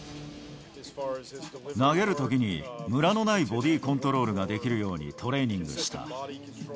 投げるときにむらのないボディーコントロールができるようにトレーニングした。